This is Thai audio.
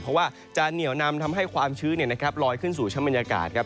เพราะว่าจะเหนียวนำทำให้ความชื้นลอยขึ้นสู่ชั้นบรรยากาศครับ